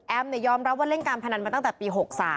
ยอมรับว่าเล่นการพนันมาตั้งแต่ปี๖๓